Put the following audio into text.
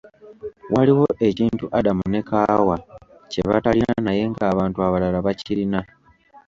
Waliwo ekintu Adam ne Kaawa kye batalina naye ng'abantu abalala bakirina.